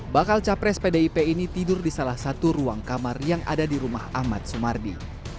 bakal capres pdip ini tidur di salah satu ruang kamar yang ada di rumah ahmad sumardi